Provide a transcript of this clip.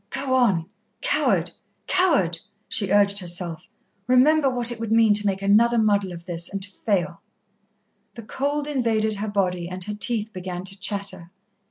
"Go on coward coward," she urged herself. "Remember what it would mean to make another muddle of this, and to fail." The cold invaded her body and her teeth began to chatter.